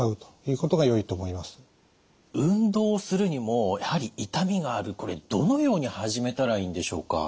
運動するにもやはり痛みがあるこれどのように始めたらいいんでしょうか。